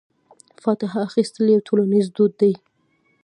فاتحه اخیستل یو ټولنیز دود دی.